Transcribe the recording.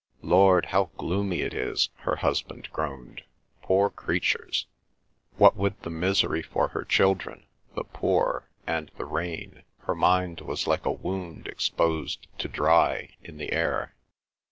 "Lord, how gloomy it is!" her husband groaned. "Poor creatures!" What with the misery for her children, the poor, and the rain, her mind was like a wound exposed to dry in the air.